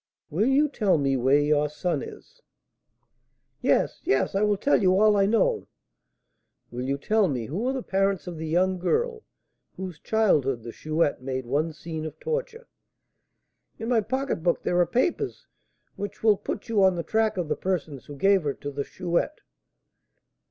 "Will you tell me where your son is?" "Yes, yes, I will tell you all I know." "Will you tell me who are the parents of the young girl whose childhood the Chouette made one scene of torture?" "In my pocketbook there are papers which will put you on the track of the persons who gave her to the Chouette."